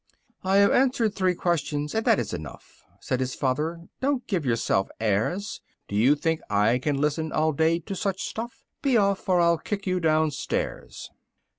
8. "I have answered three questions, and that is enough," Said his father, "don't give yourself airs! Do you think I can listen all day to such stuff? Be off, or I'll kick you down stairs!"